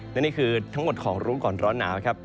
และนี่คือทั้งหมดของรู้ก่อนร้อนหนาวครับ